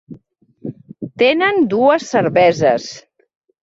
Tenen dues cerveses: